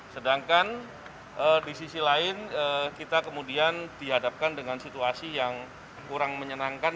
sedangkan di sisi lain kita kemudian dihadapkan dengan situasi yang kurang menyenangkan